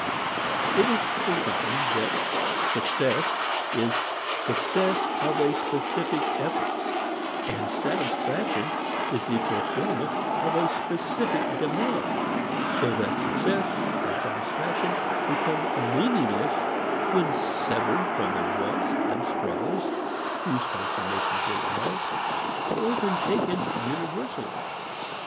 It is forgotten that success is success of a specific effort, and satisfaction the fulfilment of a specific demand, so that success and satisfaction become meaningless when severed from the wants and struggles whose consummations they are, or when taken universally.